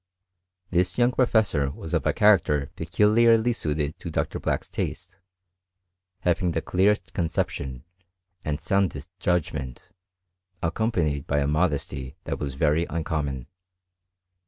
This young professor was of a character peculiarly suited to Dr. Black's taste, having the clearest conception, and soundest judgment, accompanied by a modesty that was very uncommon.